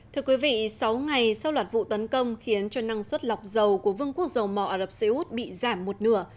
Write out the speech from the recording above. thưa quý vị sáu ngày sau loạt vụ tấn công khiến cho năng suất lọc dầu của vương quốc dầu mỏ ả rập xê út bị giảm một nửa